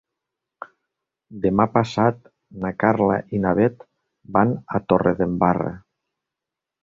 Demà passat na Carla i na Bet van a Torredembarra.